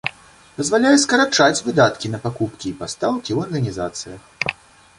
Дазваляе скарачаць выдаткі на пакупкі і пастаўкі ў арганізацыях.